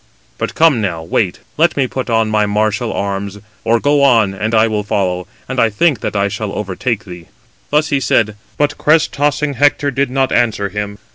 But come now, wait, let me put on my martial arms; or go on, and I will follow, and I think that I shall overtake thee." Thus he said, but crest tossing Hector did not answer him.